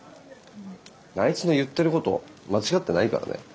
あいつの言ってること間違ってないからね。